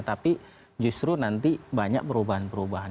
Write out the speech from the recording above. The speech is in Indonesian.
tapi justru nanti banyak perubahan perubahan